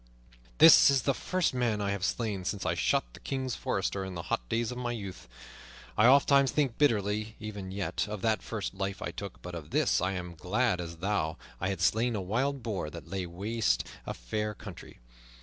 "This is the first man I have slain since I shot the Kings forester in the hot days of my youth. I ofttimes think bitterly, even yet, of that first life I took, but of this I am as glad as though I had slain a wild boar that laid waste a fair country.